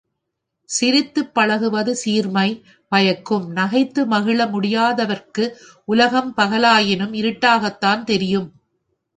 சிரித்துப் பழகுவது சீர்மை பயக்கும் நகைத்து மகிழ முடியாதவர்க்கு உலகம் பகலாயினும் இருட்டாகத்தான் தெரியும்.